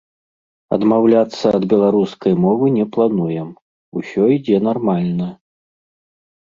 Адмаўляцца ад беларускай мовы не плануем, усё ідзе нармальна.